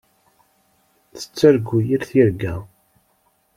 Tettargu yir tirga.